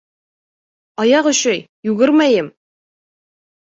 — Аяҡ өшөй, йүгермәйем!